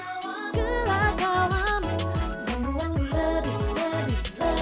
membuatku lebih lebih cinta padamu